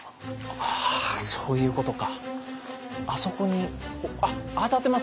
ああそういうことか。